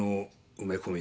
埋め込み？